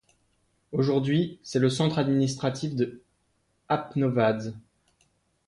Aujourd'hui, c'est le centre administratif de Apes novads.